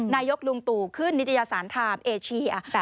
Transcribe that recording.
นายกลุงตู่ขึ้นนิตยสารไทม์เอเชีย